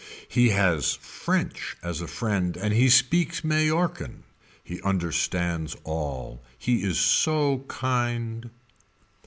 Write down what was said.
He has french as a friend and he speaks Mallorcan. He understands all. He is so kind.